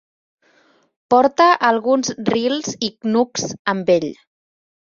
Porta alguns Ryls i Knooks amb ell.